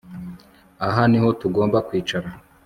aha niho tugomba kwicara